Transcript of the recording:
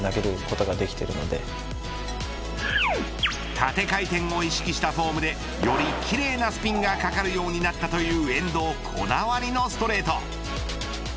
縦回転を意識したフォームでより奇麗なスピンがかかるようになったという遠藤こだわりのストレート。